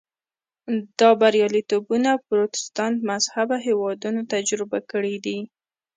دا بریالیتوبونه پروتستانت مذهبه هېوادونو تجربه کړي دي.